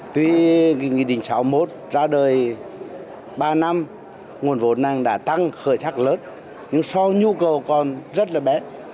tuy nghị định sáu mươi một ra đời ba năm nguồn vốn đang đã tăng khởi sắc lớn nhưng so với nhu cầu còn rất là bé